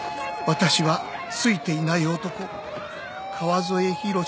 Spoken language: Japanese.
［私はついていない男川添博司］